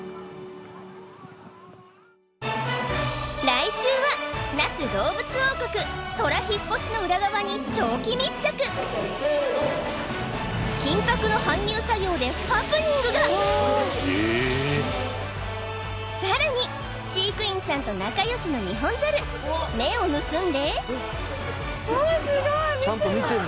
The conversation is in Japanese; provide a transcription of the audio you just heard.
来週は那須どうぶつ王国トラ引っ越しの裏側に長期密着緊迫の搬入作業でハプニングがわあえさらに飼育員さんと仲良しのニホンザル目を盗んでわあすごい見てるちゃんと見てんのようわうわうわ